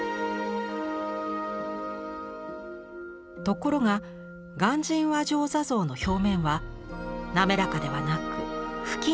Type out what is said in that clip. ところが鑑真和上坐像の表面は滑らかではなく不均一です。